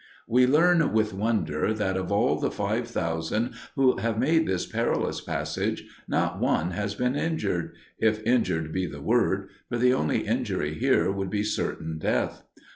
We learn with wonder that of all the five thousand who have made this perilous passage not one has been injured—if injured be the word, for the only injury here would be certain death.